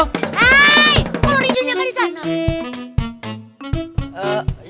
hei kolor ijonya kan di sana